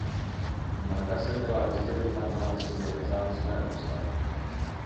Banka se měla rozdělit na dva na sobě nezávislé ústavy.